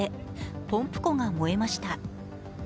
ポンプ庫が燃えました。